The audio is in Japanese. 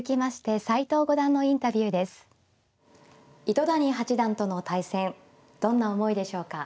糸谷八段との対戦どんな思いでしょうか。